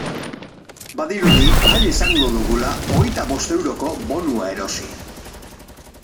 Badirudi ahal izango dugula hogeita bost euroko bonua erosi.